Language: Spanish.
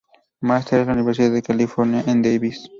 Master en la Universidad de California en Davis.